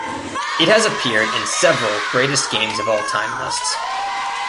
It has appeared in several "greatest games of all time" lists.